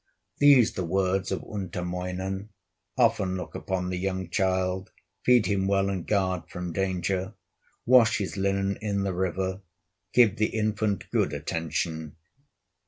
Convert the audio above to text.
These the words of Untamoinen: "Often look upon the young child, Feed him well and guard from danger, Wash his linen in the river, Give the infant good attention."